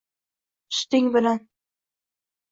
Suting bilan